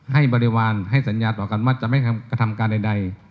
บริวารให้สัญญาต่อกันว่าจะไม่กระทำการใด